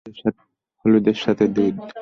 হলুদের সাথে দুধ।